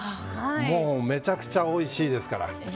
もうめちゃくちゃおいしいですから。